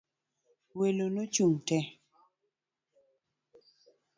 Welo no chung' te.